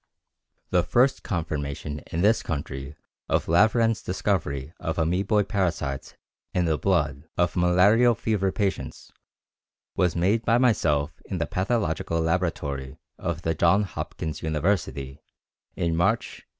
The first confirmation in this country of Laveran's discovery of amoeboid parasites in the blood of malarial fever patients was made by myself in the pathological laboratory of the Johns Hopkins University in March, 1886.